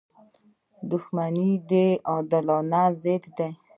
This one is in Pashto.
• دښمني د عادلانو ضد ده.